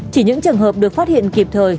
chỉ những trường hợp được phát hiện kịp thời